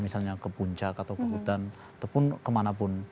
misalnya ke puncak atau ke hutan ataupun kemanapun